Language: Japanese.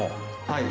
はい。